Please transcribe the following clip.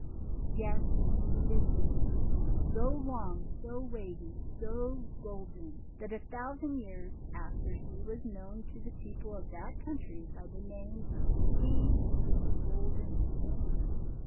Yes, indeed, it did, — so, long, so wavy, so golden, that a thousand years after she was known to the people of that country by the name of the Queen with the Golden Hair.